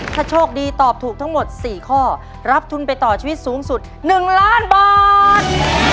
ถ้าโชคดีตอบถูกทั้งหมด๔ข้อรับทุนไปต่อชีวิตสูงสุด๑ล้านบาท